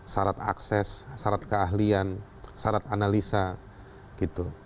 syarat akses syarat keahlian syarat analisa gitu